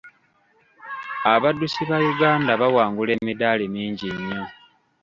Abaddusi ba Uganda bawangula emidaali mingi nnyo.